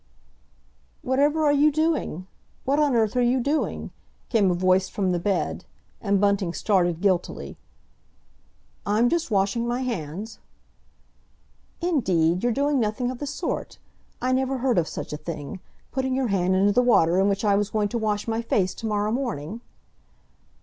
"Whatever are you doing? What on earth are you doing?" came a voice from the bed, and Bunting started guiltily. "I'm just washing my hands." "Indeed, you're doing nothing of the sort! I never heard of such a thing—putting your hand into the water in which I was going to wash my face to morrow morning!"